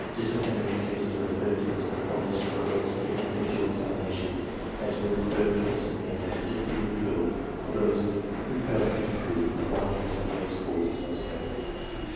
Disciplinary cases referred to the psychol ogists were always given individual examinations, as were re ferred eases of men having difficulty with drill or those who failed to improve in the Y. M. C. A. schools and elsewhere.